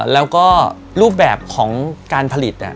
แล้วก็รูปแบบของการผลิต